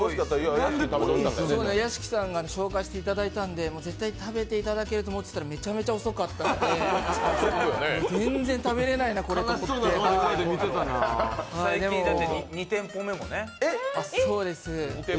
屋敷さんに紹介していただいたんで、絶対食べていただけると思ったらめちゃめちゃ遅かったんで全然食べれないな、これと思って。